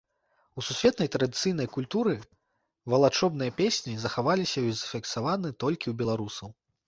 У сусветнай традыцыйнай культуры валачобныя песні захаваліся і зафіксаваны толькі ў беларусаў.